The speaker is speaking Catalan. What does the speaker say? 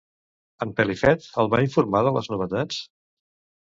En Pelifet el va informar de les novetats?